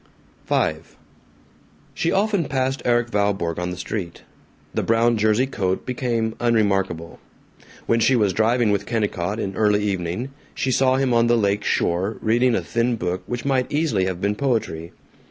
V She often passed Erik Valborg on the street; the brown jersey coat became unremarkable. When she was driving with Kennicott, in early evening, she saw him on the lake shore, reading a thin book which might easily have been poetry.